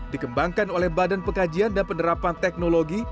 dikembangkan oleh badan pengkajian dan penerapan teknologi